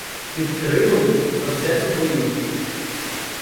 Під Кримом — завзяті бої.